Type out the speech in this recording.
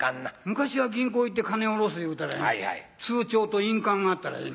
昔は銀行行って金下ろすいうたら通帳と印鑑があったらええ。